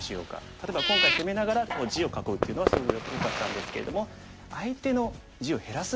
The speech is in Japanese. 例えば今回攻めながら地を囲うっていうのはすごくよかったんですけれども相手の地を減らすっていうようなね